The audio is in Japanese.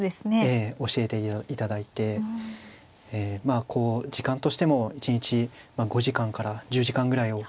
ええ教えていただいてまあこう時間としても一日５時間から１０時間ぐらいを。